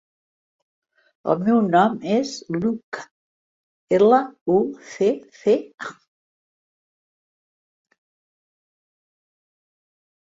El meu nom és Lucca: ela, u, ce, ce, a.